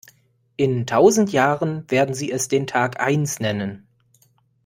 In tausend Jahren werden sie es den Tag eins nennen.